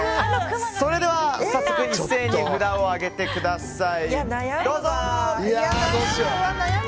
それでは早速一斉に札を上げてください！